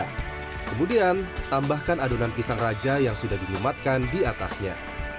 kemudian tambahkan adonan pisang raja yang sudah dilumatkan di atasnya